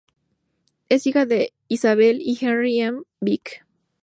Es hija de Isabel y Henry M. Vick.